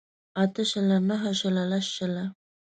اته شله نهه شله لس شله